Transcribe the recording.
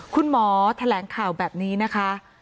คุณหมอแถลงข่าวแบบนี้นะคะ